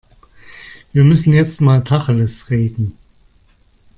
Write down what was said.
Wir müssen jetzt mal Tacheles reden.